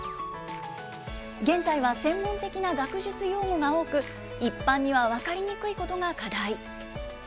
現在は専門的な学術用語が多く、一般には分かりにくいことが課題。